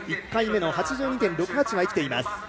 １回目の８２．６８が生きています。